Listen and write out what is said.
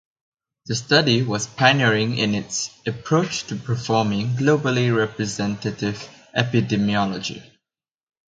The study was pioneering in its approach to performing globally representative epidemiology.